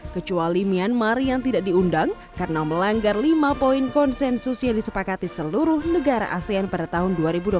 kecuali myanmar yang tidak diundang karena melanggar lima poin konsensus yang disepakati seluruh negara asean pada tahun dua ribu dua puluh satu